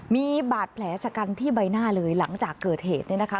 มีบาดแผลชะกันที่ใบหน้าเลยหลังจากเกิดเหตุเนี่ยนะคะ